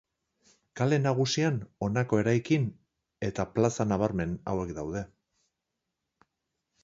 Kale Nagusian honako eraikin eta plaza nabarmen hauek daude.